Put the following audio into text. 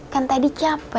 kan tadi capek